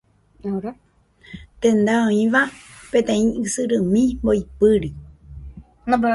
Tenda oĩva peteĩ ysyrymi mboypýri.